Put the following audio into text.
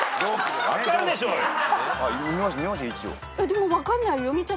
でも分かんないよ。